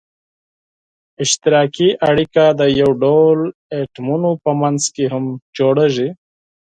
اشتراکي اړیکه د یو ډول اتومونو په منځ کې هم جوړیږي.